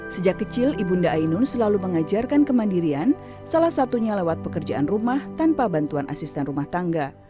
sejak kecil ibu nda ainun selalu mengajarkan kemandirian salah satunya lewat pekerjaan rumah tanpa bantuan asisten rumah tangga